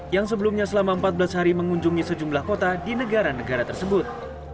yang sebelumnya selama empat belas hari mengunjungi sejumlah kota di negara negara tersebut